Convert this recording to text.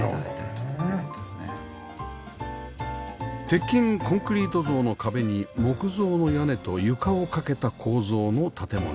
鉄筋コンクリート造の壁に木造の屋根と床を架けた構造の建物